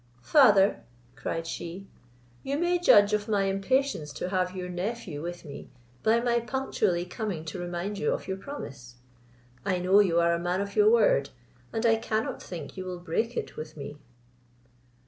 "Father," cried she, "you may judge of my impatience to have your nephew with me, by my punctually coming to remind you of your promise. I know you are a man of your word, and I cannot think you will break it with me."